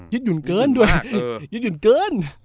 หยุ่นเกินด้วยยึดหยุ่นเกิน